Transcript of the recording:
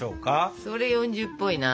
それ４０っぽいな。